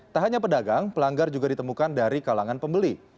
tak hanya pedagang pelanggar juga ditemukan dari kalangan pembeli